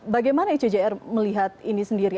bagaimana icjr melihat ini sendiri